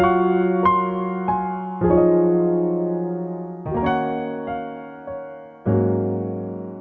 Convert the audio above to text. ที่ถูกแบบมากข้าง